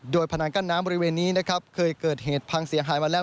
โดยพนันกั้นน้ำบริเวณนี้เคยเกิดภักษ์เสียงหายมาแล้ว